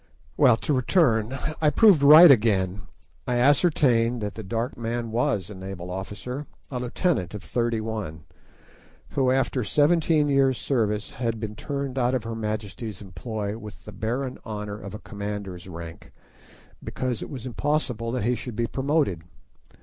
Well, to return, I proved right again; I ascertained that the dark man was a naval officer, a lieutenant of thirty one, who, after seventeen years' service, had been turned out of her Majesty's employ with the barren honour of a commander's rank, because it was impossible that he should be promoted.